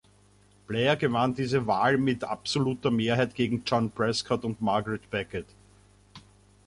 Blair gewann diese Wahl mit absoluter Mehrheit gegen John Prescott und Margaret Beckett.